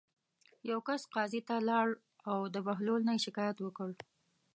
یوه کس قاضي ته لاړ او د بهلول نه یې شکایت وکړ.